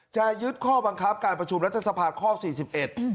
จะยึดข้อบังคับการประชุมรัฐสภาข้อสี่สิบเอ็ด